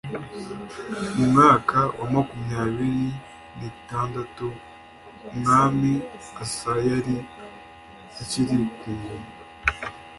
mu mwaka wa makumyabiri n’itandatu umwami asa yari akiri ku ngoma